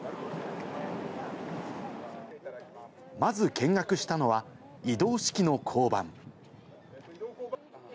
まず見学したのは、移動式の交番。